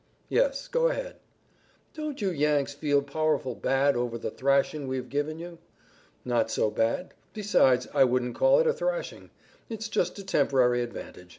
"Yes, go ahead." "Don't you Yanks feel powerful bad over the thrashing we've given you?" "Not so bad. Besides I wouldn't call it a thrashing. It's just a temporary advantage.